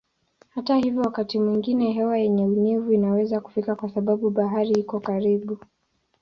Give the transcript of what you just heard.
Hata hivyo wakati mwingine hewa yenye unyevu inaweza kufika kwa sababu bahari iko karibu.